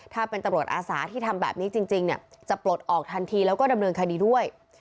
ถ้าเป็นตำรวจอาสาที่ทำแบบนี้จริงจะปลดออกทันทีแล้วก็ดำเนินคดีด้วย